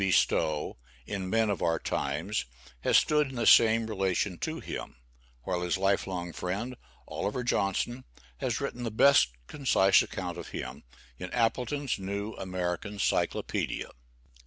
B. Stowe, in "Men of Our Times," has stood in the same relation to him, while his life long friend, Oliver Johnson, has writen the best concise account of him, in "Appleton's New American Cyclopædia."